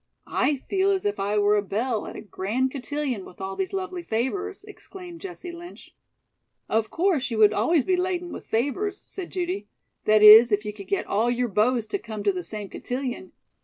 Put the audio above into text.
"I feel as if I were a belle at a grand cotillion with all these lovely favors," exclaimed Jessie Lynch. "Of course, you would always be laden with favors," said Judy; "that is, if you could get all your beaux to come to the same cotillion.